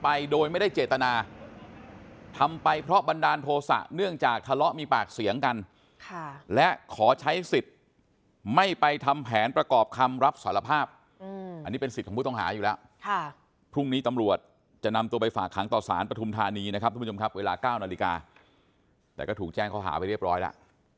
ไปโดยไม่ได้เจตนาทำไปเพราะบันดาลโทษะเนื่องจากทะเลาะมีปากเสียงกันและขอใช้สิทธิ์ไม่ไปทำแผนประกอบคำรับสารภาพอันนี้เป็นสิทธิ์ของผู้ต้องหาอยู่แล้วพรุ่งนี้ตำรวจจะนำตัวไปฝากขังต่อสารปฐุมธานีนะครับทุกผู้ชมครับเวลา๙นาฬิกาแต่ก็ถูกแจ้งข้อหาไปเรียบร้อยแล้ว